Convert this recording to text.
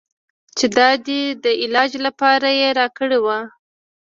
چې د ادې د علاج لپاره يې راکړى و.